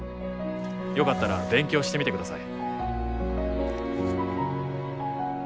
よかったら勉強してみてください。